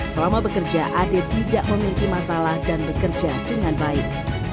selama bekerja ade tidak memiliki masalah dan bekerja dengan baik